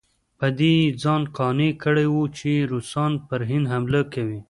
په دې یې ځان قانع کړی وو چې روسان پر هند حمله کوي.